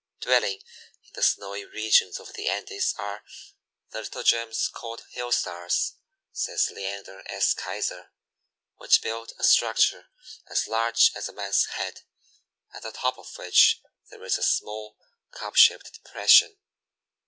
"Dwelling in the snowy regions of the Andes are the little gems called Hill stars," says Leander S. Keyser, "which build a structure as large as a man's head, at the top of which there is a small, cup shaped depression.